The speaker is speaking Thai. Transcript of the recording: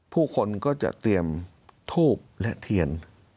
ผู้คนก็จะเตรียมทูบและเทียน